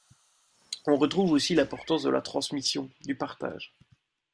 On retrouve aussi l’importance de la transmission, du partage.